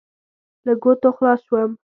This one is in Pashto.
له ګوتو خلاص شوم.